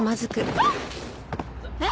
あっえっ？